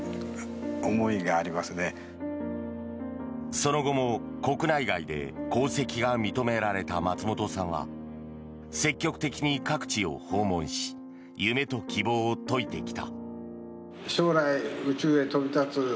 その後も国内外で功績が認められた松本さんは積極的に各地を訪問し夢と希望を説いてきた。